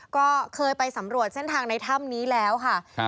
ก็เคยไปสำรวจเส้นทางในถ้ำนี้แล้วค่ะ